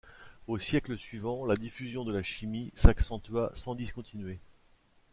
Au siècle suivant, la diffusion de la chimie s'accentua sans discontinuer.